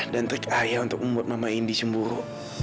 dan trik ayah untuk membuat mama indi cemburu